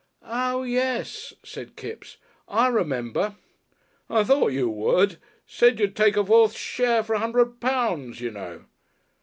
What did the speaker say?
"Oo yes," said Kipps. "I remember." "I thought you would. Said you'd take a fourth share for a hundred pounds. You know."